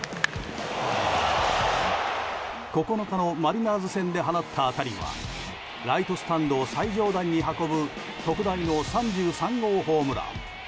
９日のマリナーズ戦で放った当たりはライトスタンド最上段に運ぶ特大の３３号ホームラン。